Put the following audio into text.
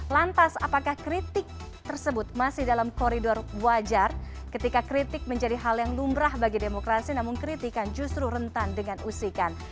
lantas apakah kritik tersebut masih dalam koridor wajar ketika kritik menjadi hal yang lumrah bagi demokrasi namun kritikan justru rentan dengan usikan